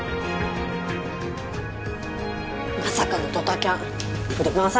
まさかのドタキャン。